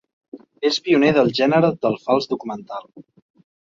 És pioner del gènere del fals documental.